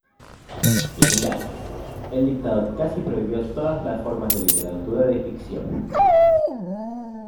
Y en Irak, el dictador casi prohibió todas las formas de literatura de ficción.